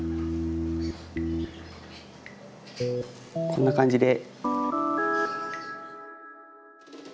こんな感じで。